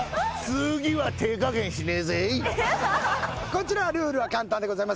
こちらルールは簡単でございます。